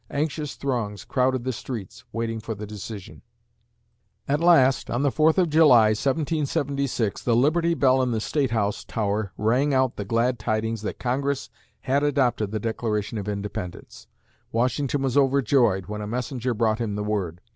Anxious throngs crowded the streets waiting for the decision. At last, on the 4th of July, 1776, the Liberty Bell in the State House tower rang out the glad tidings that Congress had adopted the Declaration of Independence! Washington was overjoyed when a messenger brought him the word.